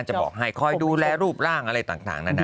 จะบอกให้คอยดูแลรูปร่างอะไรต่างนานา